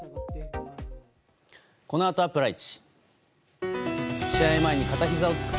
このあとは、プライチ。